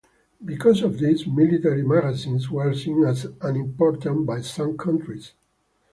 Because of this, military magazines were seen as unimportant by some countries.